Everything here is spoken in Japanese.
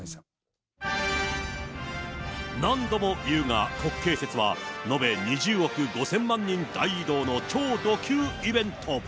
何度も言うが、国慶節は延べ２０億５０００万人大移動の超ど級イベント。